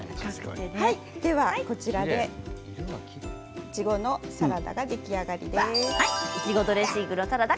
では、こちらでいちごのサラダが出来上がりです。